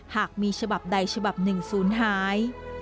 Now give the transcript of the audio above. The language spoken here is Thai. หากมีฉบับใดฉบับหนึ่งศูนย์หาย